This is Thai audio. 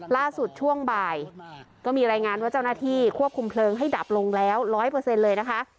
ล่าสุดช่วงบ่ายก็มีรายงานว่าเจ้าหน้าที่ควบคุมเพลิงให้ดับลงแล้วร้อยเปอร์เซ็นต์เลยนะคะ